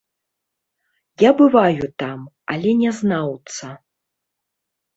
Я бываю там, але не знаўца.